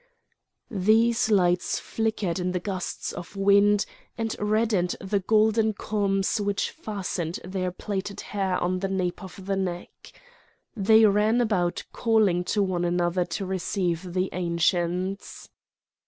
These lights flickered in the gusts of wind and reddened the golden combs which fastened their plaited hair on the nape of the neck. They ran about calling to one another to receive the Ancients.